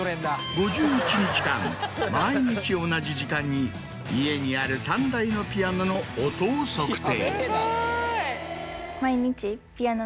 ５１日間毎日同じ時間に家にある３台のピアノの音を測定。